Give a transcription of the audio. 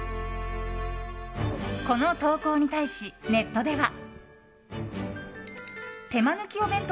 この投稿に対しネットでは。